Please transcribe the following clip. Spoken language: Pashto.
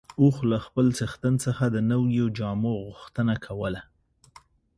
اوښ له خپل څښتن څخه د نويو جامو غوښتنه کوله.